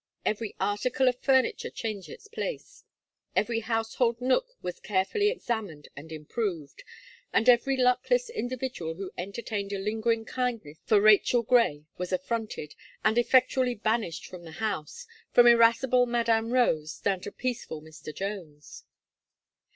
Every article of furniture changed its place; every household nook was carefully examined and improved, and every luckless individual who entertained a lingering kindness for Rachel Gray, was affronted, and effectually banished from the house, from irascible Madame Rose down to peaceful Mr. Jones.